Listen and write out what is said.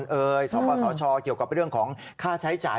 สภาพภาพดูพาของสาชาเชิงเกี่ยวกับเรื่องของค่าใช้จ่าย